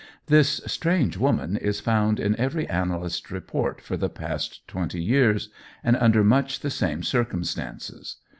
This "strange woman" is found in every analyst's report for the past twenty years, and under much the same circumstances.